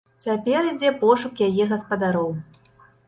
Цяпер ідзе пошук яе гаспадароў.